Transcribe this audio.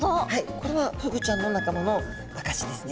これはフグちゃんの仲間の証しですね。